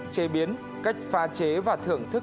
chế biến cách pha chế và thưởng thức